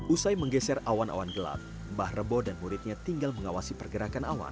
usai menggeser awan awan gelap mbah rebo dan muridnya tinggal mengawasi pergerakan awan